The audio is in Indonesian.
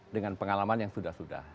dengan pengalaman yang sudah sudah